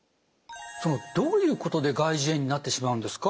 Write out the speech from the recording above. どういうことで外耳炎になってしまうんですか？